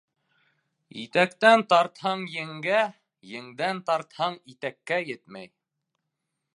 Итәктән тартһаң еңгә, еңдән тартһаң итәккә етмәй.